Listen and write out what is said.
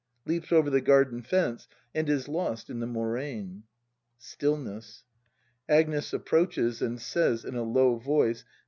[Leaps over the garden fence and is lost in the moraine. Stillness. Agnes. {Ayiproaches, and says in a low voice.'